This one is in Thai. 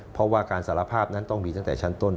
เพราะว่าการสารภาพนั้นต้องมีตั้งแต่ชั้นต้น